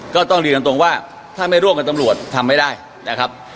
ก็ต้องเรียนตรงว่าถ้าไม่ร่วมกับตำรวจทำไม่ได้นะครับ